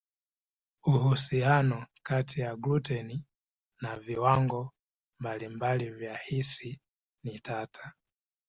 Uhusiano kati ya gluteni na viwango mbalimbali vya hisi ni tata.